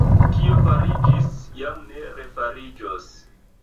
Kio fariĝis, jam ne refariĝos.